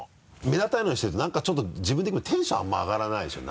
目立たないようにしてるとなんかちょっと自分でもテンションあんまり上がらないでしょ？